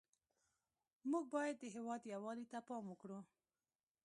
موږ باید د هېواد یووالي ته پام وکړو